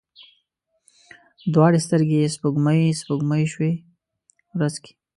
دواړې سترګي یې سپوږمۍ، سپوږمۍ شوې ورځ کې